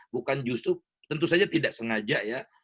bukan justru tentu saja tidak sengaja ya